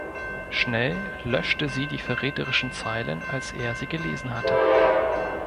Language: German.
Schnell löschte sie die verräterischen Zeilen, als er sie gelesen hatte.